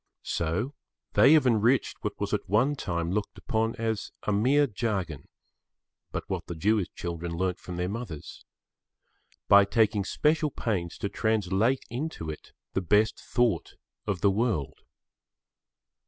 So they have enriched what was at one time looked upon as a mere jargon—but what the Jewish children learnt from their mothers—by taking special pains to translate into it the best thought of the world.